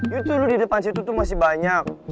ya tuh lo di depan situ masih banyak